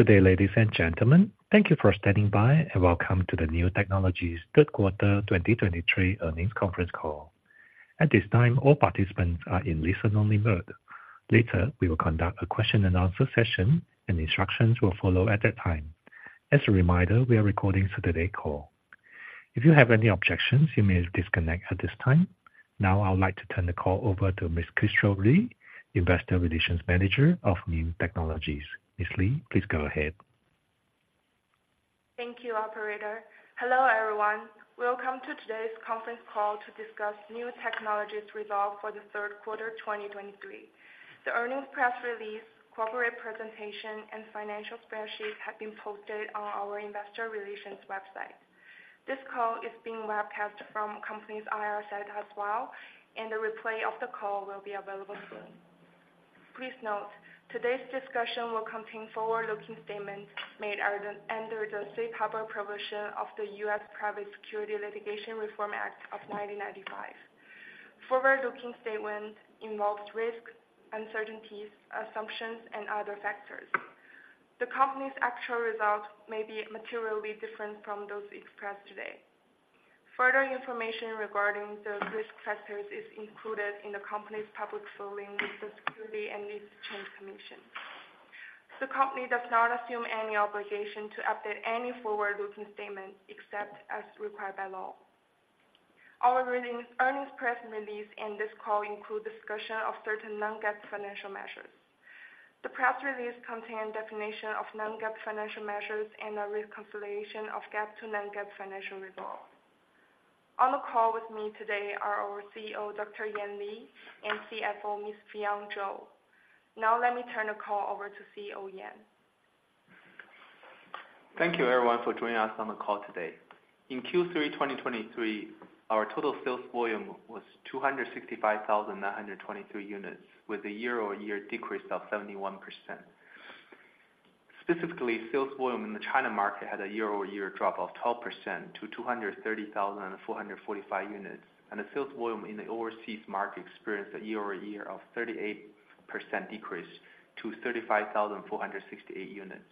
Good day, ladies and gentlemen. Thank you for standing by, and welcome to the NIU Technologies' Q3 2023 earnings conference call. At this time, all participants are in listen-only mode. Later, we will conduct a question and answer session, and instructions will follow at that time. As a reminder, we are recording today's call. If you have any objections, you may disconnect at this time. Now, I would like to turn the call over to Ms. Kristal Li, Investor Relations Manager of NIU Technologies. Ms. Li, please go ahead. Thank you, operator. Hello, everyone. Welcome to today's conference call to discuss NIU Technologies' results for the Q3, 2023. The earnings press release, corporate presentation, and financial spreadsheet have been posted on our investor relations website. This call is being webcast from the company's IR site as well, and the replay of the call will be available soon. Please note, today's discussion will contain forward-looking statements made under the safe harbor provision of the U.S. Private Securities Litigation Reform Act of 1995. Forward-looking statements involve risks, uncertainties, assumptions, and other factors. The company's actual results may be materially different from those expressed today. Further information regarding the risk factors is included in the company's public filings with the Securities and Exchange Commission. The company does not assume any obligation to update any forward-looking statements, except as required by law. Our earnings, earnings press release and this call include discussion of certain non-GAAP financial measures. The press release contain definition of non-GAAP financial measures and a reconciliation of GAAP to non-GAAP financial results. On the call with me today are our CEO, Dr. Yan Li, and CFO, Ms. Fion Zhou. Now, let me turn the call over to CEO Yan. Thank you, everyone, for joining us on the call today. In Q3 2023, our total sales volume was 265,923 units, with a year-over-year decrease of 71%. Specifically, sales volume in the China market had a year-over-year drop of 12% to 230,445 units, and the sales volume in the overseas market experienced a year-over-year 38% decrease to 35,468 units.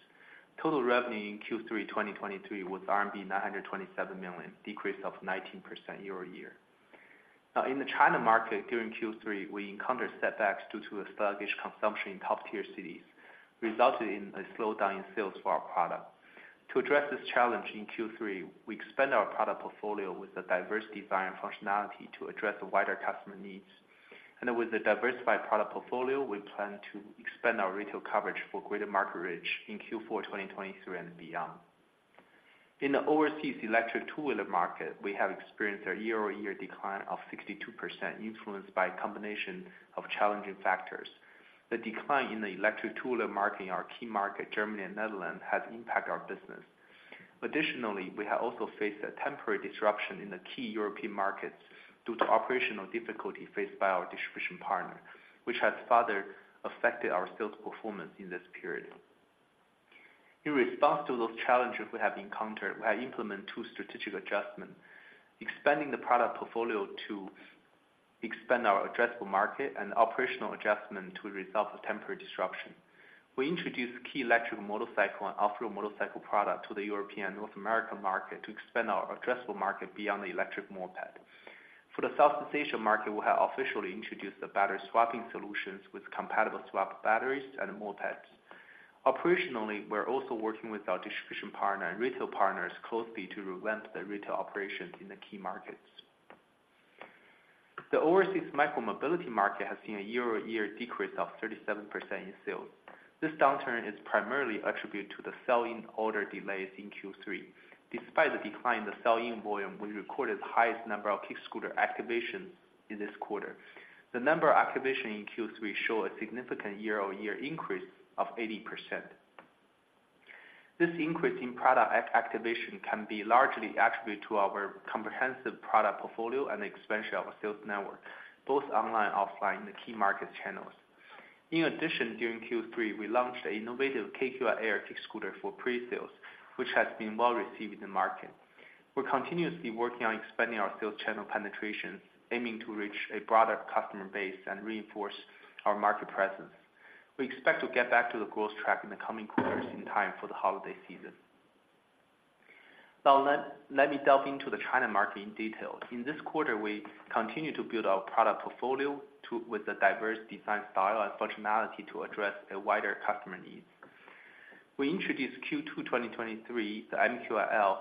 Total revenue in Q3 2023 was RMB 927 million, decrease of 19% year-over-year. Now, in the China market, during Q3, we encountered setbacks due to a sluggish consumption in top-tier cities, resulting in a slowdown in sales for our product. To address this challenge in Q3, we expanded our product portfolio with a diverse design and functionality to address the wider customer needs. With a diversified product portfolio, we plan to expand our retail coverage for greater market reach in Q4, 2023 and beyond. In the overseas electric two-wheeler market, we have experienced a year-over-year decline of 62%, influenced by a combination of challenging factors. The decline in the electric two-wheeler market in our key market, Germany and Netherlands, has impacted our business. Additionally, we have also faced a temporary disruption in the key European markets due to operational difficulty faced by our distribution partner, which has further affected our sales performance in this period. In response to those challenges we have encountered, we have implemented two strategic adjustments: expanding the product portfolio to expand our addressable market and operational adjustment to resolve the temporary disruption. We introduced key electric motorcycle and off-road motorcycle product to the European, North American market to expand our addressable market beyond the electric moped. For the Southeast Asian market, we have officially introduced the battery swapping solutions with compatible swap batteries and mopeds. Operationally, we're also working with our distribution partner and retail partners closely to revamp the retail operations in the key markets. The overseas micro-mobility market has seen a year-over-year decrease of 37% in sales. This downturn is primarily attributed to the sell-in order delays in Q3. Despite the decline in the sell-in volume, we recorded the highest number of kick scooter activations in this quarter. The number of activations in Q3 show a significant year-over-year increase of 80%. This increase in product activation can be largely attributed to our comprehensive product portfolio and expansion of our sales network, both online and offline, in the key market channels. In addition, during Q3, we launched an innovative KQi Air kick scooter for pre-sales, which has been well received in the market. We're continuously working on expanding our sales channel penetration, aiming to reach a broader customer base and reinforce our market presence. We expect to get back to the growth track in the coming quarters in time for the holiday season. Now, let me delve into the China market in detail. In this quarter, we continued to build our product portfolio with a diverse design, style, and functionality to address a wider customer needs. We introduced Q2 2023 the MQiL,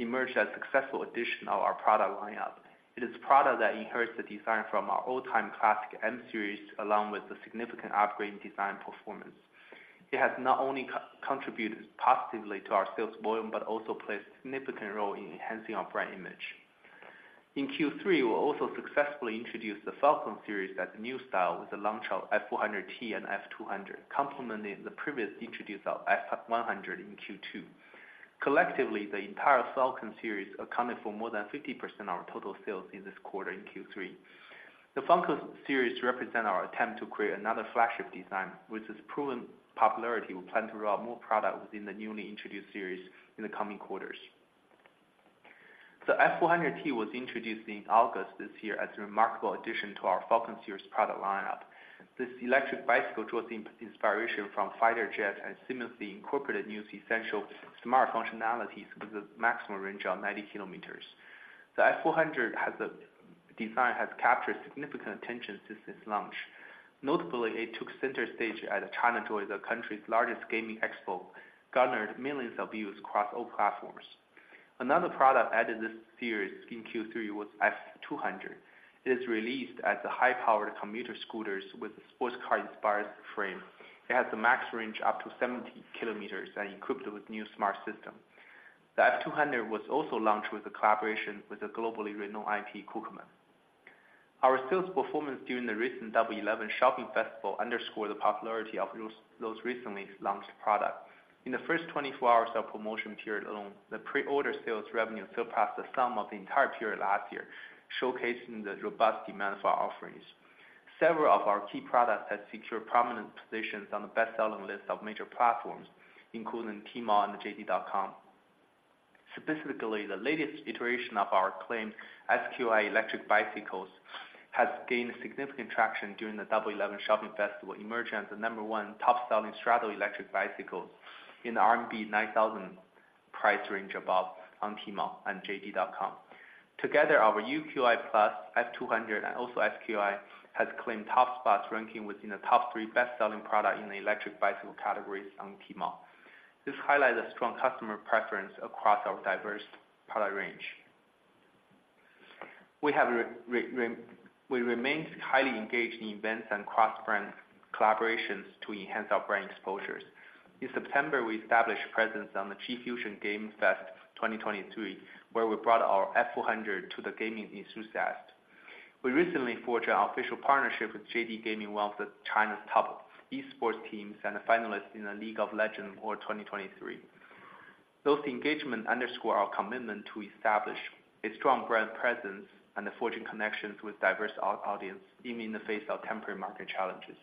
emerged as a successful addition of our product lineup. It is a product that inherits the design from our all-time classic M series, along with the significant upgrade in design performance. It has not only contributed positively to our sales volume, but also plays a significant role in enhancing our brand image. In Q3, we also successfully introduced the Falcon series as a new style with the launch of F400T and F200, complementing the previously introduced F100 in Q2. Collectively, the entire Falcon series accounted for more than 50% of our total sales in this quarter in Q3. The Falcon series represent our attempt to create another flagship design, which has proven popularity. We plan to roll out more products within the newly introduced series in the coming quarters.... The F400T was introduced in August this year as a remarkable addition to our Falcon series product lineup. This electric bicycle draws in inspiration from fighter jets and seamlessly incorporated new essential smart functionalities with a maximum range of 90 kilometers. The F400 has a design, has captured significant attention since its launch. Notably, it took center stage at the ChinaJoy, the country's largest gaming expo, garnered millions of views across all platforms. Another product added this series in Q3 was F200. It is released as the high-powered commuter scooters with sports car-inspired frame. It has a max range up to 70 kilometers and equipped with new smart system. The F200 was also launched with a collaboration with the globally renowned IP, Kumamon. Our sales performance during the recent Double Eleven shopping festival underscore the popularity of those, those recently launched products. In the first 24 hours of promotion period alone, the pre-order sales revenue surpassed the sum of the entire period last year, showcasing the robust demand for our offerings. Several of our key products have secured prominent positions on the best-selling list of major platforms, including Tmall and JD.com. Specifically, the latest iteration of our acclaimed SQi electric bicycles has gained significant traction during the Double Eleven shopping festival, emerging as the number one top-selling straddle electric bicycles in the RMB 9,000 price range above on Tmall and JD.com. Together, our UQi Plus, F200, and also SQi, has claimed top spots, ranking within the top three best-selling product in the electric bicycle categories on Tmall. This highlights a strong customer preference across our diverse product range. We remain highly engaged in events and cross-brand collaborations to enhance our brand exposures. In September, we established presence on the G-Fusion Game Fest 2023, where we brought our F400 to the gaming enthusiasts. We recently forged an official partnership with JD Gaming, one of China's top esports teams and a finalist in the League of Legends for 2023. Those engagement underscore our commitment to establish a strong brand presence and forging connections with diverse audience, even in the face of temporary market challenges.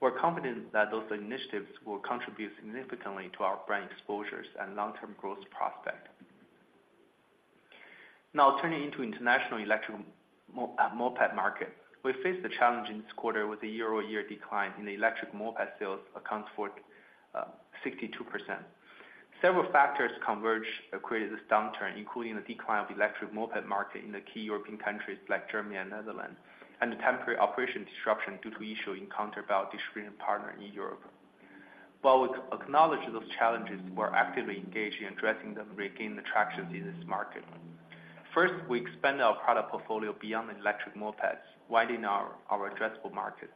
We're confident that those initiatives will contribute significantly to our brand exposures and long-term growth prospect. Now, turning into international electric moped market. We faced a challenge in this quarter with a year-over-year decline in the electric moped sales, accounts for 62%. Several factors converge across this downturn, including the decline of electric moped market in the key European countries like Germany and Netherlands, and the temporary operation disruption due to issue encountered by our distribution partner in Europe. While we acknowledge those challenges, we're actively engaged in addressing them to regain the traction in this market. First, we expand our product portfolio beyond the electric mopeds, widening our addressable markets.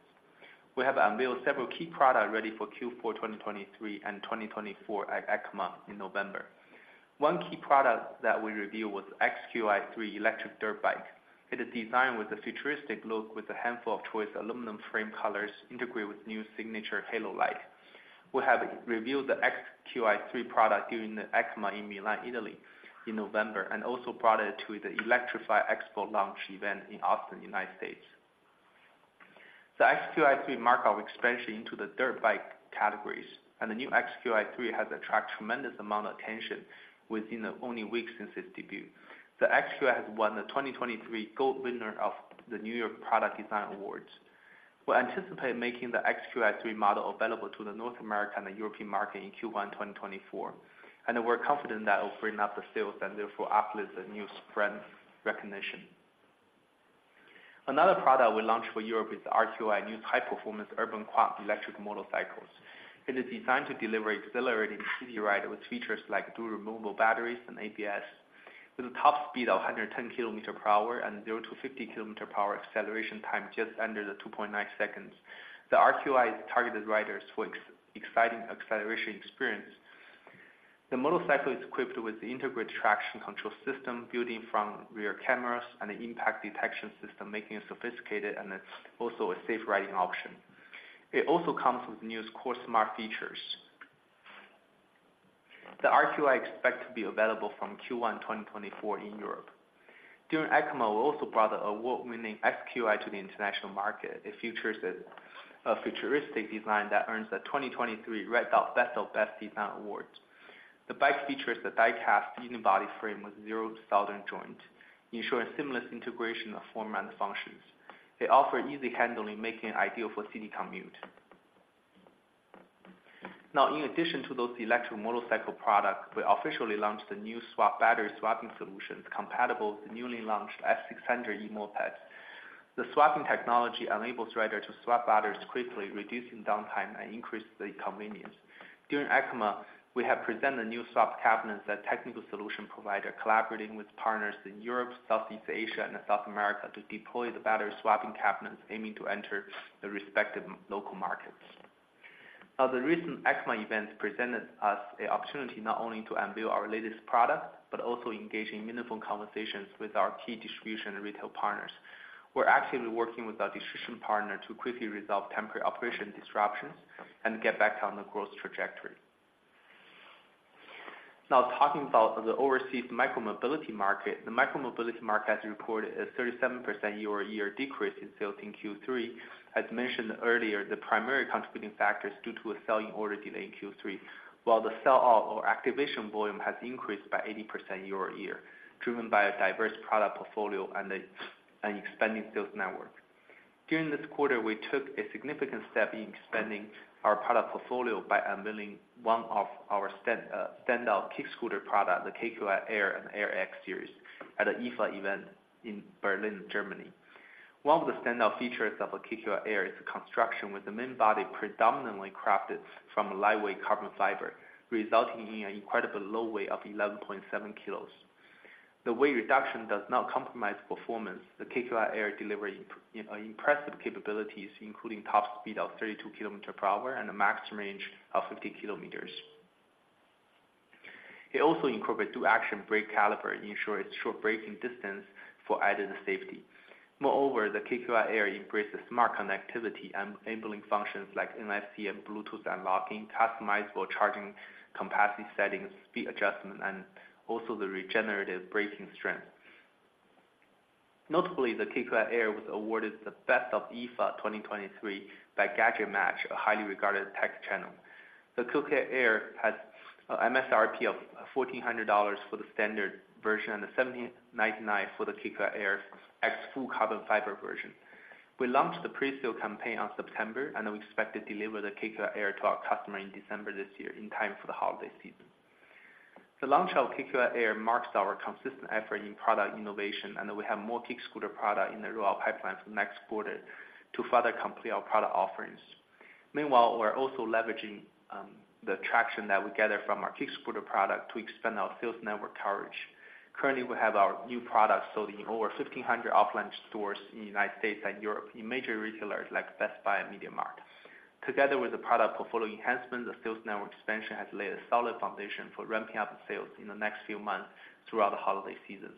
We have unveiled several key product ready for Q4, 2023 and 2024 at EICMA in November. One key product that we revealed was XQi3 electric dirt bike. It is designed with a futuristic look, with a handful of choice aluminum frame colors, integrated with new signature halo light. We have revealed the XQi3 product during the EICMA in Milan, Italy in November, and also brought it to the Electrify Expo launch event in Austin, United States. The XQi3 marks our expansion into the dirt bike categories, and the new XQi3 has attracted tremendous amount of attention within only weeks since its debut. The XQi3 has won the 2023 Gold Winner of the New York Product Design Awards. We anticipate making the XQi3 model available to the North American and European market in Q1 2024, and we're confident that it'll bring up the sales and therefore uplift the new brand recognition. Another product we launched for Europe is RQi, new high-performance urban quad electric motorcycles. It is designed to deliver exhilarating city ride, with features like dual removable batteries and ABS. With a top speed of 110 km/h and zero to 50 km/h acceleration time just under the 2.9 seconds, the RQi is targeted riders for exciting acceleration experience. The motorcycle is equipped with the integrated traction control system, built-in front and rear cameras, and an impact detection system, making it sophisticated and it's also a safe riding option. It also comes with new core smart features. The RQi expects to be available from Q1 2024 in Europe. During EICMA, we also brought the award-winning XQi to the international market. It features a, a futuristic design that earns the 2023 Red Dot Best of Best Design Award. The bike features the die-cast unibody frame with zero-tolerance joint, ensuring seamless integration of form and functions. It offers easy handling, making it ideal for city commute. Now, in addition to those electric motorcycle products, we officially launched the new swap battery swapping solutions, compatible with the newly launched F600 E mopeds. The swapping technology enables riders to swap batteries quickly, reducing downtime and increasing the convenience. During EICMA, we have presented new swap cabinets. That technical solution provider, collaborating with partners in Europe, Southeast Asia, and South America, to deploy the battery swapping cabinets, aiming to enter the respective local markets. Now, the recent EICMA event presented us an opportunity not only to unveil our latest product, but also engage in meaningful conversations with our key distribution and retail partners. We're actively working with our distribution partner to quickly resolve temporary operation disruptions and get back on the growth trajectory. Now, talking about the overseas micro-mobility market. The micro-mobility market has reported a 37% year-over-year decrease in sales in Q3. As mentioned earlier, the primary contributing factors due to a selling order delay in Q3, while the sell-off or activation volume has increased by 80% year-over-year, driven by a diverse product portfolio and an expanding sales network. During this quarter, we took a significant step in expanding our product portfolio by unveiling one of our standout kick scooter product, the KQi Air and Air X series, at an IFA event in Berlin, Germany. One of the standout features of a KQi Air is the construction, with the main body predominantly crafted from lightweight carbon fiber, resulting in an incredibly low weight of 11.7 kg. The weight reduction does not compromise performance. The KQi Air delivers impressive capabilities, including top speed of 32 km/h and a maximum range of 50 km. It also incorporates two-action brake caliper, ensuring short braking distance for added safety. Moreover, the KQi Air embraces smart connectivity, enabling functions like NFC and Bluetooth unlocking, customizable charging capacity settings, speed adjustment, and also the regenerative braking strength. Notably, the KQi Air was awarded the Best of IFA 2023 by GadgetMatch, a highly regarded tech channel. The KQi Air has a MSRP of $1,400 for the standard version and the $1,799 for the KQi Air X full carbon fiber version. We launched the pre-sale campaign on September, and we expect to deliver the KQi Air to our customer in December this year, in time for the holiday season. The launch of KQi Air marks our consistent effort in product innovation, and we have more kick scooter product in the R&D pipeline for next quarter to further complete our product offerings. Meanwhile, we're also leveraging the traction that we gather from our kick scooter product to expand our sales network coverage. Currently, we have our new products sold in over 1,500 offline stores in the United States and Europe, in major retailers like Best Buy and MediaMarkt. Together with the product portfolio enhancement, the sales network expansion has laid a solid foundation for ramping up the sales in the next few months throughout the holiday seasons.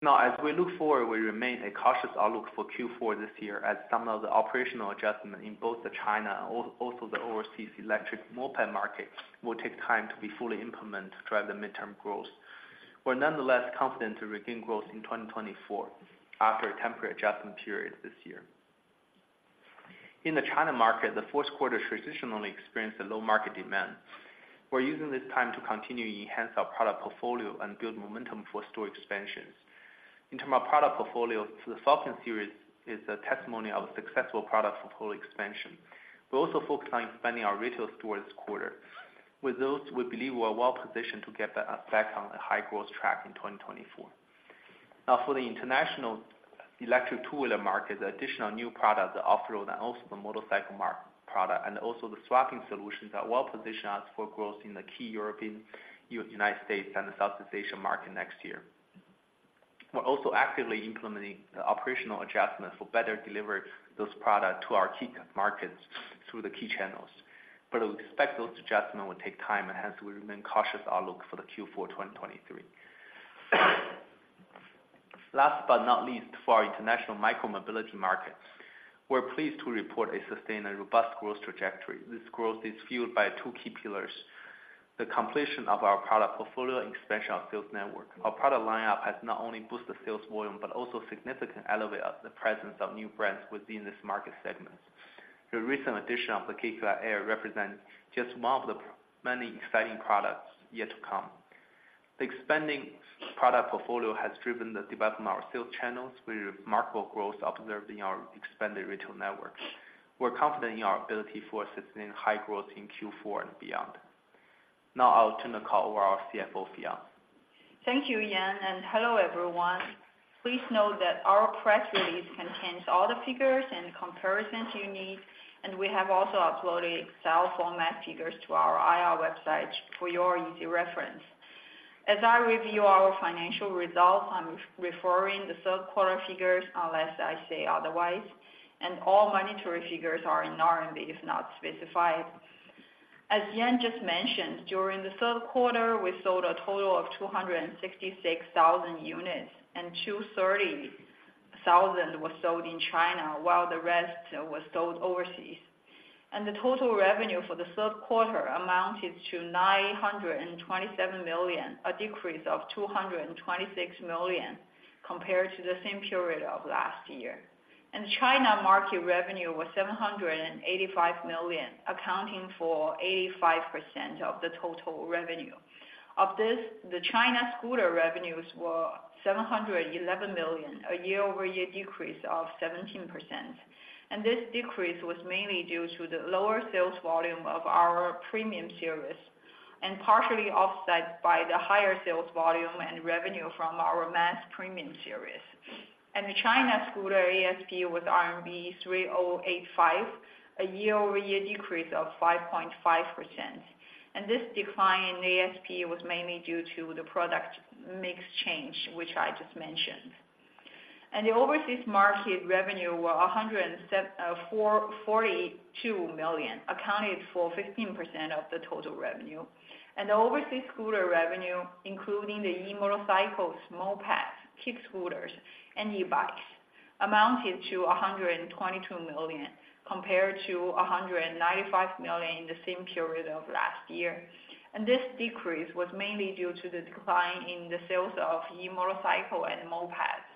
Now, as we look forward, we remain a cautious outlook for Q4 this year, as some of the operational adjustments in both the China and also the overseas electric moped market, will take time to be fully implemented to drive the midterm growth. We're nonetheless confident to regain growth in 2024, after a temporary adjustment period this year. In the China market, the Q4 traditionally experienced a low market demand. We're using this time to continue to enhance our product portfolio and build momentum for store expansions. In terms of product portfolio, the Falcon series is a testimony of a successful product portfolio expansion. We're also focused on expanding our retail store this quarter. With those, we believe we are well positioned to get the back on the high-growth track in 2024. Now, for the international electric two-wheeler market, the additional new product, the off-road, and also the motorcycle product, and also the swapping solutions, are well positioned us for growth in the key European, United States, and the Southeast Asian market next year. We're also actively implementing the operational adjustments for better deliver those product to our key markets through the key channels, but we expect those adjustments will take time, and hence we remain cautious outlook for the Q4 2023. Last but not least, for our international micro-mobility market, we're pleased to report a sustained and robust growth trajectory. This growth is fueled by two key pillars, the completion of our product portfolio and expansion of sales network. Our product lineup has not only boosted sales volume, but also significant elevation of the presence of new brands within this market segments. The recent addition of the KQi Air represents just one of the many exciting products yet to come. The expanding product portfolio has driven the development of our sales channels, with remarkable growth observed in our expanded retail network. We're confident in our ability for sustaining high growth in Q4 and beyond. Now I'll turn the call over to our CFO, Fion. Thank you, Yan, and hello, everyone. Please note that our press release contains all the figures and comparisons you need, and we have also uploaded Excel format figures to our IR website for your easy reference. As I review our financial results, I'm referring the Q3 figures, unless I say otherwise, and all monetary figures are in RMB, if not specified. As Yan just mentioned, during the Q3, we sold a total of 266,000 units, and 230,000 were sold in China, while the rest was sold overseas. The total revenue for the Q3 amounted to 927 million, a decrease of 226 million compared to the same period of last year. China market revenue was 785 million, accounting for 85% of the total revenue. Of this, the China scooter revenues were 711 million, a year-over-year decrease of 17%. And this decrease was mainly due to the lower sales volume of our premium series, and partially offset by the higher sales volume and revenue from our mass premium series. And the China scooter ASP was RMB 3,085, a year-over-year decrease of 5.5%. And this decline in ASP was mainly due to the product mix change, which I just mentioned. And the overseas market revenue were 174 million, accounted for 15% of the total revenue. And the overseas scooter revenue, including the e-motorcycles, mopeds, kick scooters, and e-bikes, amounted to 122 million, compared to 195 million in the same period of last year. This decrease was mainly due to the decline in the sales of e-motorcycle and mopeds.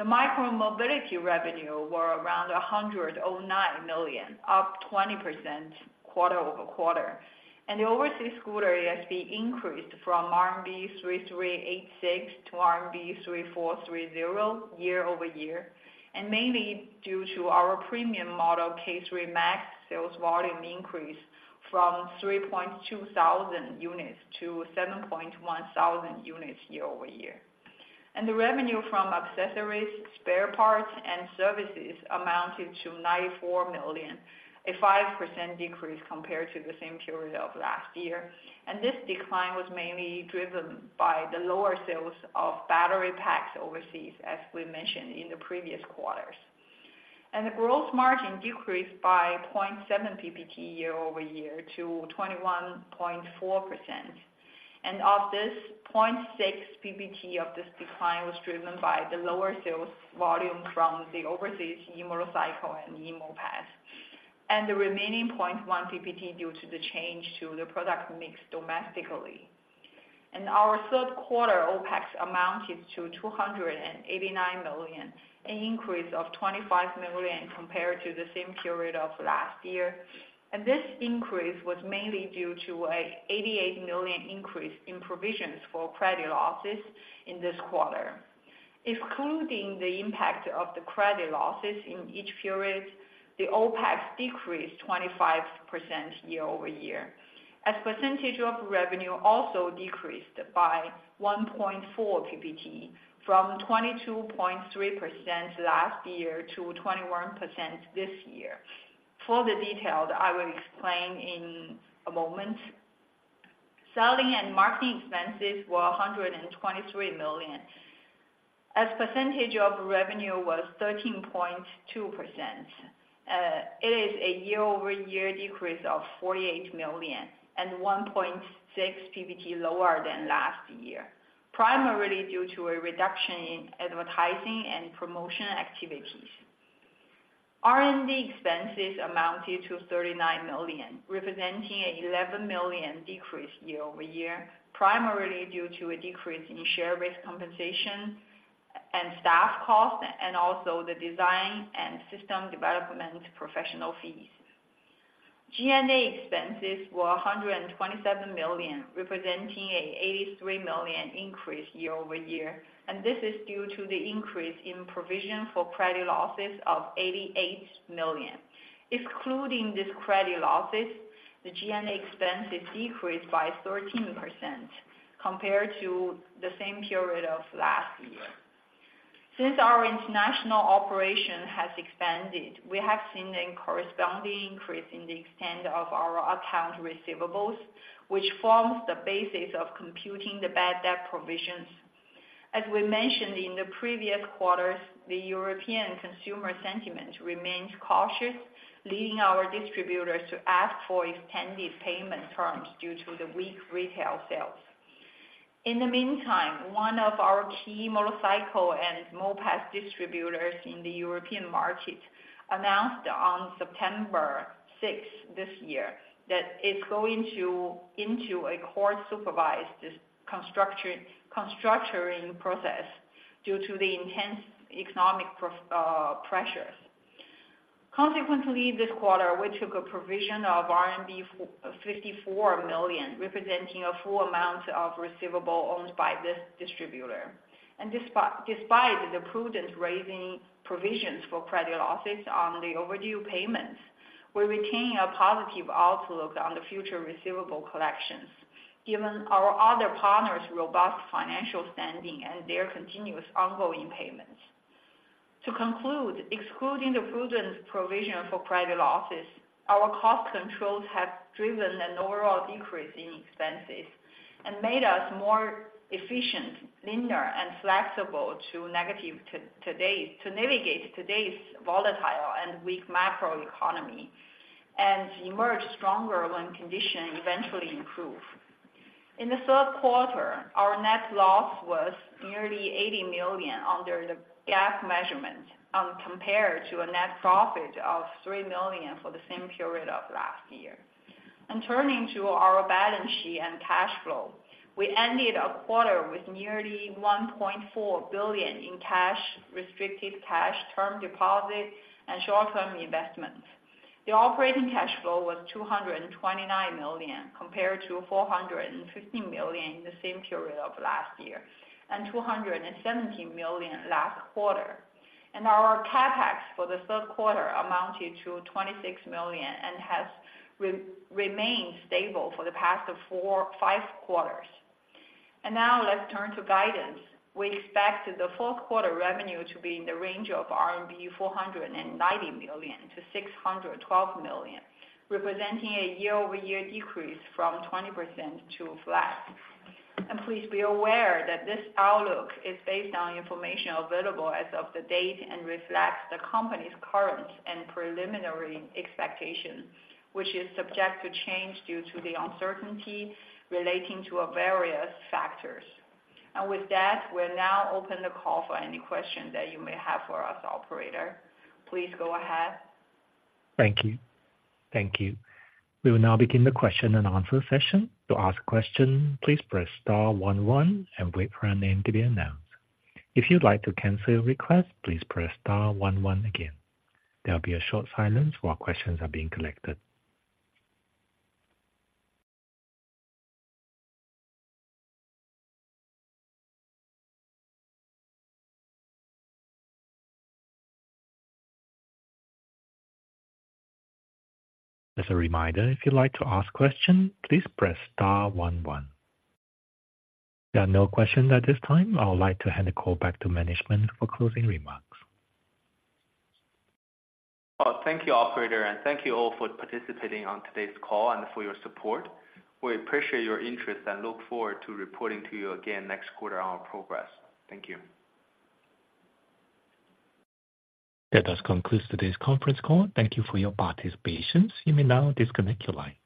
The micro-mobility revenue were around 109 million, up 20% quarter-over-quarter. The overseas scooter ASP increased from RMB 3,386 to RMB 3,430 year-over-year, and mainly due to our premium model, KQi3 Max sales volume increase from 3,200 units to 7,100 units year-over-year. The revenue from accessories, spare parts, and services amounted to 94 million, a 5% decrease compared to the same period of last year. This decline was mainly driven by the lower sales of battery packs overseas, as we mentioned in the previous quarters. The gross margin decreased by 0.7 PPT year-over-year to 21.4%. Of this, 0.6 PPT of this decline was driven by the lower sales volume from the overseas e-motorcycle and the mopeds, and the remaining 0.1 PPT, due to the change to the product mix domestically. Our Q3 OpEx amounted to 289 million, an increase of 25 million compared to the same period of last year. This increase was mainly due to a 88 million increase in provisions for credit losses in this quarter. Excluding the impact of the credit losses in each period, the OpEx decreased 25% year-over-year, as percentage of revenue also decreased by 1.4 PPT, from 22.3% last year to 21% this year. For the details, I will explain in a moment. Selling and marketing expenses were 123 million. As a percentage of revenue was 13.2%, it is a year-over-year decrease of 48 million and 1.6 PPT lower than last year, primarily due to a reduction in advertising and promotional activities. R&D expenses amounted to 39 million, representing an 11 million decrease year-over-year, primarily due to a decrease in share-based compensation and staff costs, and also the design and system development professional fees. G&A expenses were 127 million, representing an 83 million increase year-over-year, and this is due to the increase in provision for credit losses of 88 million. Excluding this credit losses, the G&A expenses decreased by 13% compared to the same period of last year. Since our international operation has expanded, we have seen a corresponding increase in the extent of our accounts receivable, which forms the basis of computing the bad debt provisions. As we mentioned in the previous quarters, the European consumer sentiment remains cautious, leading our distributors to ask for extended payment terms due to the weak retail sales. In the meantime, one of our key motorcycle and moped distributors in the European market announced on September 6, this year, that it's going into a court-supervised restructuring process due to the intense economic pressures. Consequently, this quarter, we took a provision of RMB 54 million, representing a full amount of receivable owed by this distributor. And despite the prudent raising provisions for credit losses on the overdue payments, we retain a positive outlook on the future receivable collections, given our other partners' robust financial standing and their continuous ongoing payments. To conclude, excluding the prudent provision for credit losses, our cost controls have driven an overall decrease in expenses and made us more efficient, linear, and flexible to navigate today's volatile and weak macroeconomy, and emerge stronger when conditions eventually improve. In the Q3, our net loss was nearly 80 million under the GAAP measurement, compared to a net profit of 3 million for the same period of last year. Turning to our balance sheet and cash flow, we ended our quarter with nearly 1.4 billion in cash, restricted cash, term deposits, and short-term investments. The operating cash flow was 229 million, compared to 415 million in the same period of last year, and 217 million last quarter. Our CapEx for the Q3 amounted to 26 million and has remained stable for the past five quarters. Now let's turn to guidance. We expect the Q4 revenue to be in the range of 490 million-612 million RMB, representing a year-over-year decrease from 20% to flat. Please be aware that this outlook is based on information available as of the date and reflects the company's current and preliminary expectations, which is subject to change due to the uncertainty relating to various factors. With that, we'll now open the call for any questions that you may have for us, operator. Please go ahead. Thank you. Thank you. We will now begin the question and answer session. To ask a question, please press star one one and wait for your name to be announced. If you'd like to cancel your request, please press star one one again. There will be a short silence while questions are being collected. As a reminder, if you'd like to ask question, please press star one one. There are no questions at this time. I would like to hand the call back to management for closing remarks. Thank you, operator, and thank you all for participating on today's call and for your support. We appreciate your interest and look forward to reporting to you again next quarter on our progress. Thank you. That does conclude today's conference call. Thank you for your participation. You may now disconnect your lines.